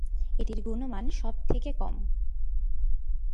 এটির গুণমান সব থেকে কম।